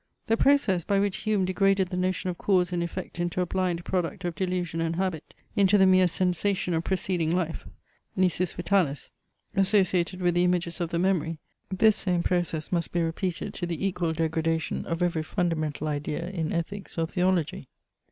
The process, by which Hume degraded the notion of cause and effect into a blind product of delusion and habit, into the mere sensation of proceeding life (nisus vitalis) associated with the images of the memory; this same process must be repeated to the equal degradation of every fundamental idea in ethics or theology.